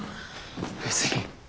別に。